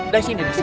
dah sini dah sini